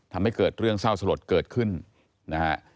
ทำให้เกิดเรื่องเศร้าสลดเกิดขึ้นนะฮะ